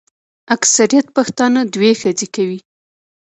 اکثریت پښتانه دوې ښځي کوي.